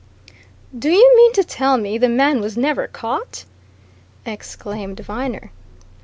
"Do you mean to tell me the man was never caught?" exclaimed Viner.